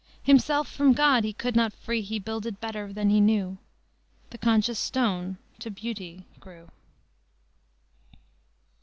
Himself from God he could not free; He builded better than he knew; The conscious stone to beauty grew."